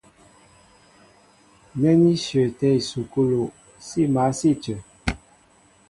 Nɛ́ ní shyəətɛ́ ísukúlu, sí mǎl sí a cə.